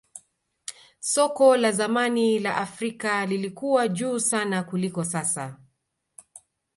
soka la zamani la afrika lilikuwa juu sana kuliko sasa